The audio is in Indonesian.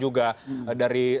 mungkin sejak kemarin juga